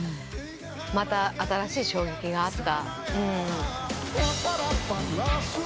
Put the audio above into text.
また新しい衝撃があった。